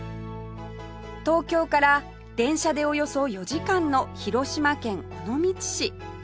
東京から電車でおよそ４時間の広島県尾道市